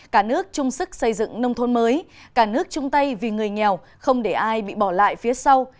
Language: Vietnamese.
cả nước chung sức xây dựng nông thôn mới cả nước chung tay vì người nghèo không để ai bị bỏ lại phía sau